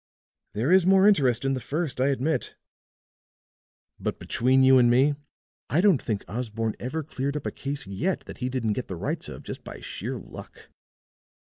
"There is more interest in the first, I admit. But between you and me, I don't think Osborne ever cleared up a case yet that he didn't get the rights of just by sheer luck."